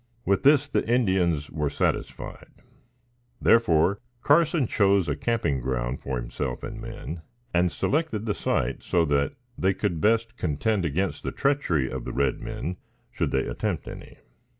With this the Indians were satisfied; therefore, Carson chose a camping ground for himself and men, and selected the site so that they could best contend against the treachery of the red men, should they attempt any.